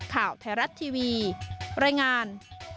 ข่าวไทยรัฐทีวีรายงาน